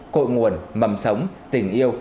cội nguồn mầm sống tình yêu